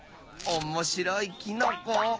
おもしろいキノコ。